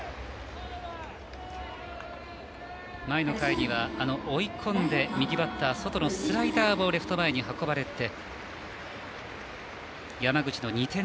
前の回には、追い込んで右バッター、外のボールとスライダーをレフト前に運ばれました。